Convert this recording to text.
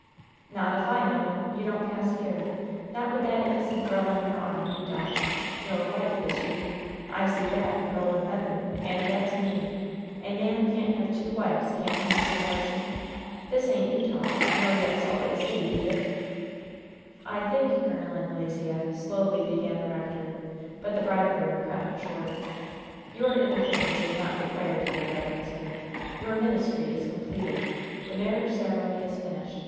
"Not if I know it you don't pass here! Not with that innocent girl on your arm, you don't! Your wife, is she? I see that, and go one better! And that's me! A man can't have two wives, can he, Mr. Parson? This ain't Utah, nor yet Salt Lake City, be it?" "I think, Col. Anglesea," slowly began the rector but the bridegroom cut him short: "Your interference is not required here, reverend sir. Your ministry is completed. The marriage ceremony is finished.